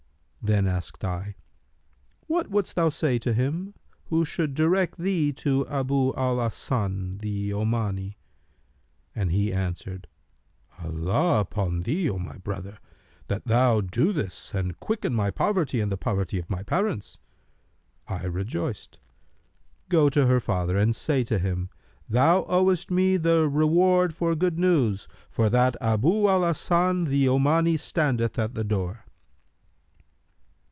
Then asked I, 'What wouldst thou say to him who should direct thee to Abu al Hasan the Omani?'; and he answered, 'Allah upon thee, O my brother, that thou do this and quicken my poverty and the poverty of my parents![FN#295]' I rejoined, 'Go to her father and say to him, Thou owest me the reward for good news, for that Abu al Hasan the Omani standeth at the door.'